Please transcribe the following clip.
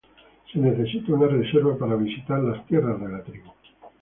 Se necesita una reserva para visitar las tierras de la tribu.